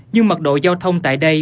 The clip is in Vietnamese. nhưng mật độ giao thông tại đây